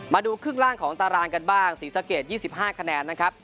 มาดูครึ่งล่างของตารางกันบ้างศรีสะเกด๒๕คะแนนนะครับ